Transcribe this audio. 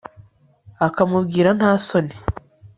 akamubwira nta soni